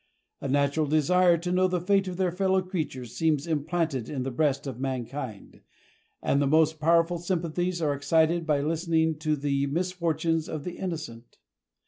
A natural desire to know the fate of their fellow creatures seems implanted in the breast of mankind, and the most powerful sympathies are excited by listening to the misfortunes of the innocent.